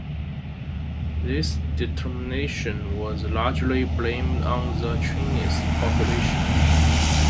This deterioration was largely blamed on the transient population.